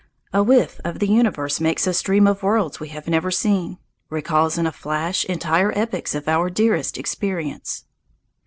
A whiff of the universe makes us dream of worlds we have never seen, recalls in a flash entire epochs of our dearest experience.